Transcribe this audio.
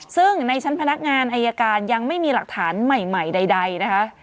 ซึ่งในชั้นพนักงานอายการยังไม่มีหลักฐานใหม่ใดนะคะ